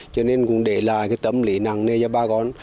cho nên cũng để lại cái tâm lý năng lê cho ba con